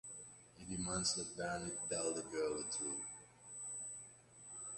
He demands that Bernick tell the girl the truth.